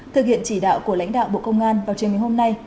thực hiện chỉ đạo của lãnh đạo bộ công an vào trường ngày hôm nay